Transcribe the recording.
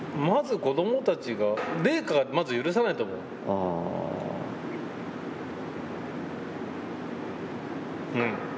まず子どもたちが、麗禾がまず許さないと思う。